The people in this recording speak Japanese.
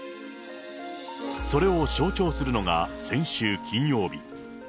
それを象徴するのが先週金曜日。